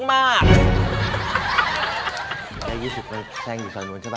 ยายยี่สิทธิ์ไปแซงอยู่ซ้ายนู้นใช่ปะ